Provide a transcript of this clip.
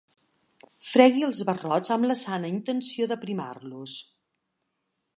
Fregui els barrots amb la sana intenció d'aprimar-los.